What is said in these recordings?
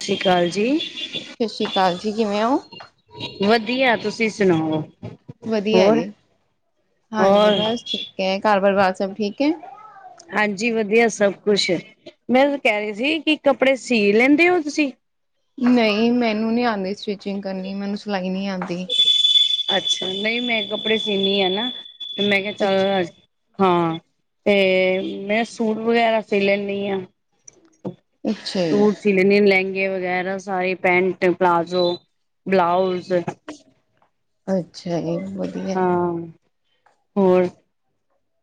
ਸਤਿ ਸ਼੍ਰੀ ਕਾਲ ਜੀ। ਸਸੀ ਕਾਲ ਜੀ ਕਿਵੇ ਓ? ਵਧੀਆ, ਤੁਸੀ ਸੁਣਾਓ? ਵਧੀਆ ਹੋਰ ਜੀ, ਹਾਂਜੀ ਹੋਰ ਬਸ ਠੀਕ ਏ, ਘਾਰ ਪਰਿਵਾਰ ਸਭ ਠੀਕ ਐ? ਹਾਂਜੀ ਵਧੀਆ ਸਭ ਕੁਛ, ਮੈ ਤਾ ਕੇਹ ਰਈ ਸੀ ਕਿ ਕੱਪੜੇ ਸੀ ਲੈਂਦੇ ਓ ਤੁਸੀ? ਨਈ ਮੈਨੂੰ ਨਈ ਆਂਦੀ ਸਟਿਚਿੰਗ ਕਰਨੀ, ਮੈਨੂੰ ਸਿਲਾਈ ਨਈ ਆਂਦੀ। ਅੱਛਾ ਨਈ ਮੈ ਕੱਪੜੇ ਸੀਨੀ ਆ ਨਾ, ਤੇ ਮੈ ਕੇਆ ਚੱਲ ਅੱਛਾ ਆਜ ਹਾਂ, ਤੇ ਮੈਂ ਸੂਟ ਵਗੇਰਾ ਸੀ ਲੈਂਨੀ ਆ। ਅੱਛਾ ਜੀ। ਸੀ ਲੈਂਨੀ ਆ ਲੈਂਗੇ ਵਗੈਰਾ ਸਾਰੇ ਪੈਂਟ, ਪਲਾਜ਼ੋ, ਬਲਾਊਜ਼। ਅੱਛਾ ਜੀ ਵਧੀਆ। ਹਾਂ ਹੋਰ,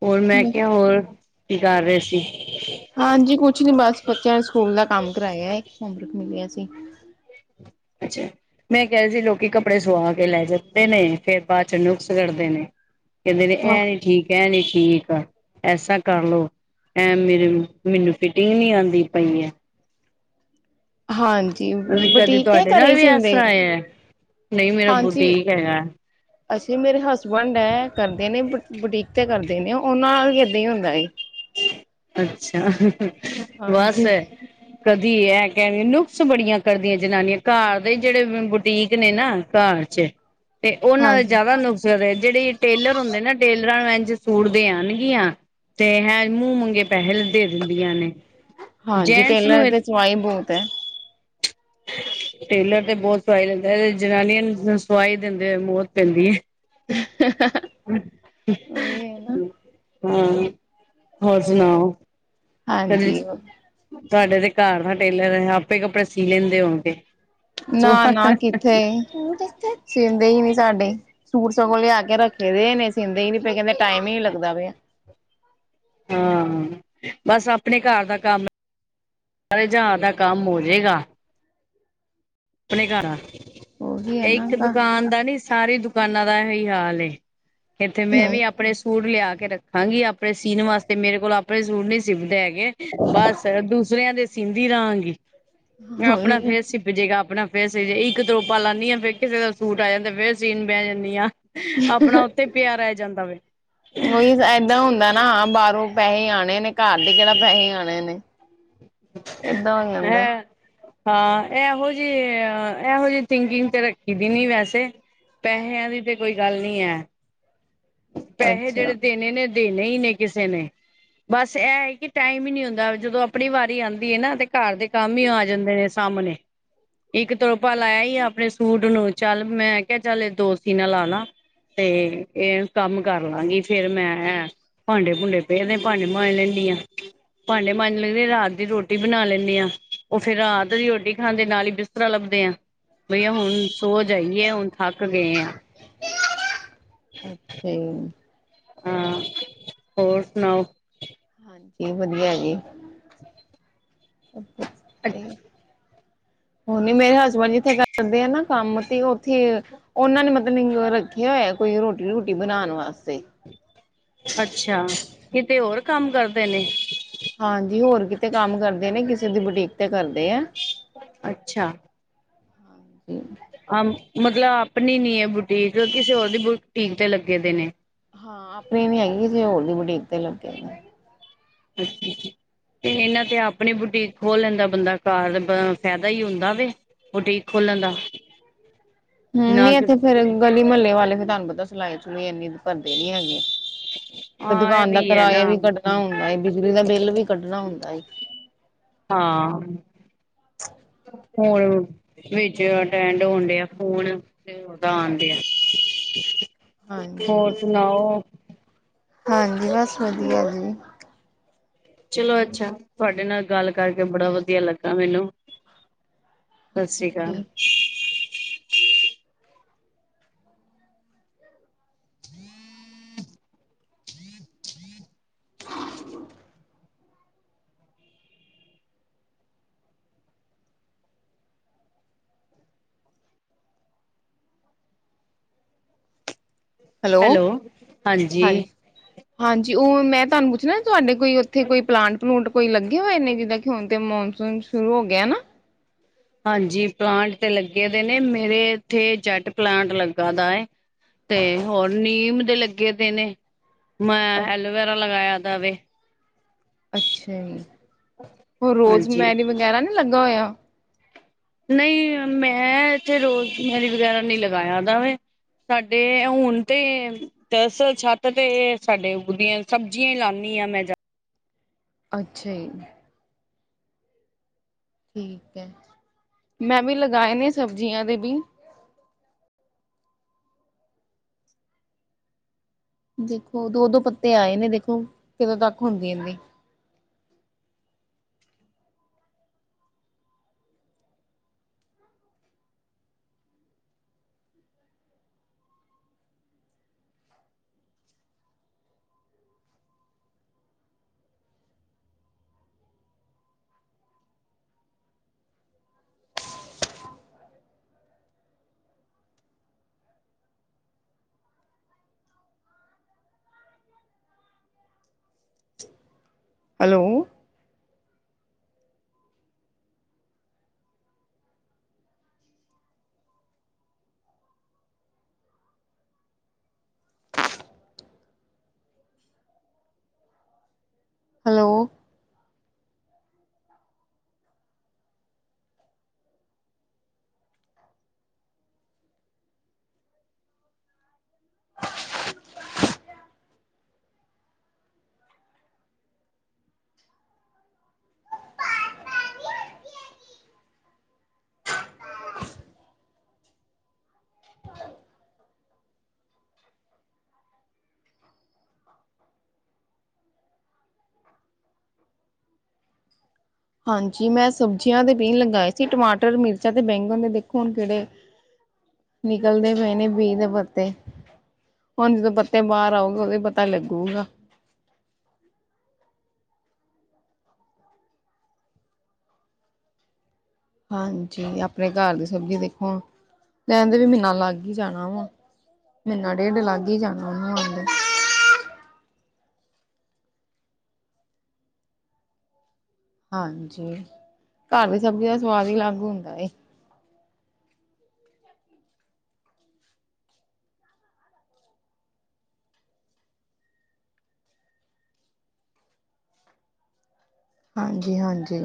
ਔਰ ਮੈਂ ਕੇਆ ਹੋਰ ਕੀ ਕਰ ਰਏ ਸੀ? ਹਾਂਜੀ ਕੁਛ ਨੀ ਬਸ ਬੱਚਿਆਂ ਨੇ ਸਕੂਲ ਦਾ ਕੰਮ ਕਰਾਇਆ ਏ ਹੋਮਵਰਕ ਮਿਲਿਆ ਸੀ। ਅੱਛਾ। ਮੈਂ ਕੈ ਰੀ ਸੀ ਲੋਕੀ ਕੱਪੜੇ ਸਵਾ ਕੇ ਲੈ ਜਾਂਦੇ ਨੇ ਫੇਰ ਬਾਅਦ ਚ ਨੁਕਸ ਕੱਢਦੇ ਨੇ। ਕੈਂਦੇ ਨੇ ਆਹ ਐ ਨੀ ਠੀਕ, ਐ ਨੀ ਠੀਕ ਐਸਾ ਕਰਲੋ ਐ ਮੇਰੇ ਮੈਨੂੰ ਫਿਟਿੰਗ ਨੀ ਆਂਦੀ ਪਈ ਐ। ਹਾਂਜੀ ਕਦੇ ਬਟੀਕ ਕੇ ਤੁਹਾਡੇ ਘਰੇ ਨਾਲ ਈ ਵੀ ਇਸ ਸੀਦੇ, ਤਰ੍ਹਾਂ ਹੋਇਆ। ਨਹੀਂ ਮੇਰਾ ਹਾਂਜੀ। ਬੁਟੀਕ ਹੈਗਾ ਅਸੀਂ ਮੇਰੇ ਹਸਬੈਂਡ ਐ ਕਰਦੇ ਨੇ ਬੁ ਬੁਟੀਕ ਤੇ ਕਰਦੇ ਨੇ ਉਨਾਂ ਨਾ ਵੀ ਏਦਾਂ ਈ ਹੁੰਦਾ ਏ। ਅੱਛਾ, ਬਸ ਹਾਂਜੀ ਕਦੀ ਐ ਕੈਵੇ ਨੁਕਸ ਬੜੀਆਂ ਕਰਦੀਆਂ ਜਨਾਨੀਆਂ ਘਰ ਦੇ ਜੇੜੇ ਬੁਟੀਕ ਨੇ ਨਾ ਘਰ ਚ ਤੇ ਉਨਾਂ ਦੇ ਹਾਂਜੀ ਜਿਆਦਾ ਨੁਕਸ ਰੇ ਜੇੜੇ ਟੇਲਰ ਹੁੰਦੇ ਨਾ ਟੇਲਰਾਂ ਨੂੰ ਐਝ ਸੂਟ ਦੇ ਆਣਗੀਆਂ ਤੇ ਹੈਂ ਮੂੰ ਮੰਗੇ ਪੈਹੇ ਦੇ ਦਿੰਦੀਆਂ ਨੇ, ਹਾਂਜੀ ਜੇਂਡਸ ਨੂੰ ਟੇਲਰ ਏ ਤੇ ਸਵਾਈ ਬੋਤ ਐ। ਟੇਲਰ ਤੇ ਬੋਤ ਪੈਹੇ ਲੈਂਦਾ ਐ ਜਨਾਨੀਆਂ ਨੂੰ ਸਵਾਈ ਦਿੰਦੇ ਹੋਏ ਮੋਤ ਪੈਂਦੀ ਏ। ਉਹੀ ਨਾ ਹਾਂ। ਹੋਰ ਸੁਣਾਓ? ਕਦੀ, ਹਾਂਜੀ ਤੁਆਡੇ ਤੇ ਘਰ ਦਾ ਟੇਲਰ ਹੈ ਆਪੇ ਕੱਪੜੇ ਸੀ ਲੈਂਦੇ ਹੋਣਗੇ। ਨਾ-ਨਾ ਕਿੱਥੇ, ਸੀਂਦੇ ਈ ਨੀ ਸਾਡੇ। ਸੂਟ ਸਗੋਂ ਲਿਆ ਕੇ ਰੱਖੇ ਦੇ ਐਨੇ ਸੀਂਦੇ ਈ ਨੀ ਪੇ ਕੈਂਦੇ ਟਾਈਮ ਈ ਨੀ ਲੱਗਦਾ ਪਿਆ। ਹਾਂ ਬਸ ਆਪਣੇ ਘਰ ਦਾ ਕੰਮ ਸਾਰੇ ਜਹਾ ਦਾ ਕੰਮ ਹੋਜੇਗਾ। ਆਪਣੇ ਘਰ ਆ, ਉਹੀ ਹੈ ਏ ਨਾ ਇੱਕ ਤਾਂ ਦੁਕਾਨ ਦਾ ਨੀ ਸਾਰੇ ਦੁਕਾਨਾਂ ਦਾ ਏਹੀ ਹਾਲ ਏ। ਇੱਥੇ ਮੈਂ ਹਮ ਵੀ ਆਪਣੇ ਸੂਟ ਲਿਆ ਕੇ ਰੱਖਾਂਗੀ ਆਪਣੇ ਸੀਣ ਵਾਸਤੇ ਮੇਰੇ ਕੋਲ ਆਪਣੇ ਸੂਟ ਨੀ ਸੀਂਦੇ ਹੈਗੇ ਬਸ ਤੇ ਦੂਸਰਿਆਂ ਦੇ ਸੀਂਦੀ ਰਹਾਂਗੀ, ਮੈਂ ਆਪਣਾ ਉਹੀ ਫੇਰ ਸਿਪਜੇਗਾ ਆਪਣਾ ਫੇਰ ਸੀਜੇ ਇੱਕ ਤਰੋਪਾ ਲਾਂਨੀ ਆ ਫੇਰ ਕਿਸੇ ਦਾ ਸੂਟ ਆ ਜਾਂਦਾ ਫੇਰ ਸੀਨ ਬੈ ਜਾਨੀ ਆ। ਆਪਣਾ ਉੱਥੇ ਪਿਆ ਰੈ ਜਾਂਦਾ ਵੇ। ਐਦਾਂ ਹੁੰਦਾ ਨਾ ਆ ਬਾ ਰੋ ਪੈਹੇ ਆਣੇ ਨੇ ਘਰ ਦੇ ਕੇੜਾ ਪੈਹੇ ਆਣੇ ਨੇ। ਏਦਾਂ ਹੋ ਜਾਂਦਾ ਹੈਂ। ਹਾਂ ਐਹੋ ਜੀ, ਐਹੋ ਜੀ ਥਿੰਕਿੰਗ ਤੇ ਰੱਖੀ ਦੀ ਨੀ ਵੈਸੇ। ਪੈਹਿਆਂ ਦੀ ਤੇ ਕੋਈ ਗੱਲ ਨੀ ਐ। ਪੈਹੇ ਅੱਛਾ ਜੇੜੇ ਦੇਣੇ ਨੇ ਦੇਣੇ ਈ ਨੇ ਕਿਸੇ ਨੇ। ਬਸ ਐ ਕਿ ਟਾਈਮ ਈ ਨੀ ਹੁੰਦਾ ਜਦੋਂ ਆਪਣੀ ਵਾਰੀ ਆਂਦੀ ਏ ਨਾ ਤੇ ਘਰ ਦੇ ਕੰਮ ਈ ਆ ਜਾਂਦੇ ਨੇ। ਸਾਮਣੇ। ਇੱਕ ਤਰੋਪਾ ਲਾਇਆ ਈ ਆਪਣੇ ਸੂਟ ਨੂੰ ਚੱਲ ਮੈਂ ਕੇਆ ਚੱਲ ਏ ਦੋ ਸੀਨਾ ਲਾ ਨਾ। ਤੇ ਏ ਕੰਮ ਕਰ ਲਾਂਗੀ ਫਿਰ ਮੈਂ ਐ ਭਾਂਡੇ ਭੂੰਡੇ ਪੇ ਨੇ ਭਾਂਡੇ ਮਾਂਜ ਲੈਂਨੀ ਆ। ਭਾਂਡੇ ਮਾਂਜ ਲਦੇ ਰਾਤ ਦੀ ਰੋਟੀ ਬਣਾ ਲੈਂਨੀ ਆ ਓ ਫੇਰ ਰਾਤ ਦੀ ਰੋਟੀ ਖਾਂਦੇ ਨਾਲ ਈ ਬਿਸ ਤਰਾਂ ਲੱਭਦੇ ਆ ਬਈਆ ਹੁਣ ਸੋ ਜਾਈਏ ਹੁਣ ਥੱਕ ਗਏ ਆ। ਅੱਛਿਆ ਜੀ। ਹਾਂ, ਹੋਰ ਸੁਨਾਓ? ਹਾਂਜੀ ਵਦੀਆ ਜੀ। [unintelligible] ਹੁਨ ਵੀ ਮੇਰੇ ਹਸਬੈਂਡ ਜਿੱਥੇ ਕਰਦੇ ਆ ਨਾ ਕੰਮ ਤੇ ਓ ਓਥੇ ਓਨਾਂ ਨੇ ਪਤਾ ਨੀ ਰੱਖੇਆ ਹੋਏਆ ਕੋਈ ਰੋਟੀ-ਰੂਟੀ ਬਨਾਨ ਵਾਸਤੇ। ਅੱਛਾ, ਕਿਤੇ ਹੋਰ ਕੰਮ ਕਰਦੇ ਨੇ? ਹਾਂਜੀ ਹੋਰ ਕਿਤੇ ਕੰਮ ਕਰਦੇ ਨੇ, ਕਿਸੇ ਦੀ ਬੁਟੀਕ ਤੇ ਕਰਦੇ ਐ। ਅੱਛਾ। ਅ ਮਤਲਬ ਅਪਨੀ ਨੀ ਐ ਬੁਟੀਕ ਕਿਸੇ ਹੋਰ ਦੀ ਬੁਟੀਕ ਤੇ ਲੱਗੇ ਦੇ ਨੇ। ਹਾਂ ਅਪਨੀ ਨੀ ਹੈਗੀ ਕਿਸੀ ਹੋਰ ਦੀ ਬੁਟੀਕ ਤੇ ਲੱਗੇ ਨੇ। ਅੱਛਾ ਜੀ। ਤੇ ਏਨਾਂ ਤੇ ਅਪਨੀ ਬੁਟੀਕ ਖੋਲ ਲੈਂਦਾ ਬੰਦਾ, ਘਰ ਫੈਦਾ ਈ ਹੁੰਦਾ ਵੇ। ਬੁਟੀਕ ਖੋਲਨ ਦਾ। ਹੂੰ, ਨਈ ਨਾ ਐਥੇ ਫੇਰ ਗਲੀ ਮਹੱਲੇ ਵਾਲੇ ਫੇਰ ਤੁਆਨੂੰ ਪਤਾ ਸਿਲਾਈ ਸਲੂਈ ਇਨੀ ਭਰਦੇ ਨੀ ਹੈਗੇ ਤੇ ਹਾਂ ਇਹ ਦੁਕਾਨ ਦਾ ਵੀ ਹੈ ਨਾ ਕਿਰਾਇਆ ਵੀ ਕੱਢ ਕੱਢਣਾ ਹੁੰਦਾ ਏ, ਬਿਜਲੀ ਦਾ ਬਿੱਲ ਵੀ ਕੱਢਣਾ ਹੁੰਦਾ ਏ। ਹਾਂ। ਹੋਰ ਵਿੱਚ ਅਟੈਂਡ ਹੋਣ ਡਿਆ ਫੋਨ। ਕਿਸੇ ਹੋਰ ਆਣ ਡੇਆ ਹੋਰ ਹਾਂਜੀ ਸੁਨਾਓ? ਹਾਂਜੀ ਬ਼ਸ ਵਦੀਆ ਜੀ। ਚਲੋ ਅੱਛਾ, ਤੁਆਡੇ ਨਾਲ ਗੱਲ ਕਰਕੇ ਬੜਾ ਵਦੀਆ ਲੱਗਾ ਮੈਨੂੰ। ਸ਼ ਸ੍ਰੀ ਕਾਲ। [inaudible] [inaudible] ਹੈਲੋ ਹਾਂਜੀ ਹਾਂ-ਹਾਂਜੀ ਓ ਮੈਂ ਤੁਆਨੂੰ ਪੁੱਛਣਾ ਤੁਆਡੇ ਕੋਈ ਓਥੇ ਕੋਈ ਪਲਾਂਟ-ਪਲੂੰਟ ਕੋਈ ਲੱਗੇ ਹੋਏ ਨੇ ਜਿੱਦਾਂ ਕਿ ਹੁਨ ਤੇ ਮੌਨਸੂਨ ਸ਼ੁਰੂ ਹੋ ਗਯਾ ਨਾ। ਹਾਂਜੀ ਪਲਾਂਟ ਤੇ ਲੱਗੇ ਦੇ ਨੇ ਮੇਰੇ ਏਥੇ ਜੈਟ ਪਲਾਂਟ ਲੱਗਾ ਦਾ ਏ। ਤੇ ਹੋਰ ਨੀਮ ਦੇ ਲੱਗੇ ਦੇ ਨੇ, ਮੈਂ ਐਲੋਵੇਰਾ ਲਗਾਯਾ ਦਾ ਵੇ। ਅੱਛਾ ਜੀ, ਹੋਰ ਰੋਜ਼ ਹਾਂਜੀ। ਮੈਰੀ ਵਗੈਰਾ ਨੀ ਲੱਗਾ ਹੋਏਆ। ਨਈ ਮੈਂ ਐਥੇ ਰੋਜ਼ ਮੈਰੀ ਵਗੈਰਾ ਨਈ ਲਗਾਯਾ ਦਾ ਵੇ। ਸਾਡੇ ਹੁਨ ਤੇ ਦਰ ਅਸਲ ਛੱਤ ਤੇ ਸਾਡੇ ਉਂਗਦੀਆਂ ਸਬਜ਼ੀਆਂ ਲਾਂਨੀ ਮੈਂ ਜਾਦਾ ਅੱਛਾ ਜੀ। ਠੀਕ ਐ, ਮੈਂ ਵੀ ਲਗਾਏ ਨੇ ਸਬਜ਼ੀਆਂ ਦੇ ਵੀ। ਦੇਖੋ ਦੋ- ਦੋ ਪੱਤੇ ਆਏ ਨੇ ਦੇਖੋ, ਕਿਦੋਂ ਤੱਕ ਹੁੰਦੀ ਇੰਦੀ ਹੈਲੋ। ਹੈਲੋ। ਹਾਂਜੀ ਮੈਂ ਸਬਜ਼ੀਆਂ ਦੇ ਬੀ ਲਗਾਏ ਸੀ ਟਮਾਟਰ, ਮਿਰਚਾਂ ਤੇ ਬੈਂਗਣ ਦੇ ਦੇਖੋ ਹੁਨ ਕੇੜੇ ਨਿਕਲਦੇ ਪਏ ਨੇ ਬੀ ਦੇ ਪੱਤੇ। ਹੁਨ ਜਦੋਂ ਪੱਤੇ ਬਾਰ ਆਉਗਾ ਓਦੋਂ ਈ ਪਤਾ ਲੱਗੂਗਾ। ਹਾਂਜੀ ਅਪਨੇ ਘਰ ਦੀ ਸਬਜ਼ੀ ਦੇਖੋ, ਕੈਂਦੇ ਵੀ ਮੀਨਾ ਲੱਗ ਈ ਜਾਣਾ ਵਾ। ਮੀਨਾ ਡੇਢ ਲੱਗ ਈ ਜਾਣਾ ਓਨੂੰ ਹਜੇ। ਹਾਂਜੀ, ਘਰ ਦੀ ਸਬਜ਼ੀ ਦਾ ਸਵਾਦ ਈ ਅਲੱਗ ਹੁੰਦਾ ਏ। ਹਾਂਜੀ-ਹਾਂਜੀ।